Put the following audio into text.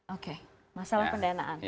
oke masalah pendanaan